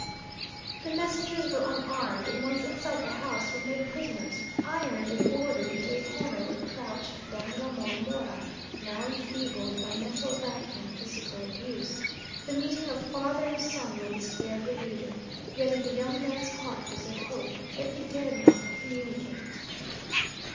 The messengers were unarmed, and once inside the house were made prisoners, ironed, and ordered into a corner, where crouched Don Ramon Mora, now enfeebled by mental racking and physical abuse. The meeting of father and son will be spared the reader, yet in the young man's heart was a hope that he dared not communicate.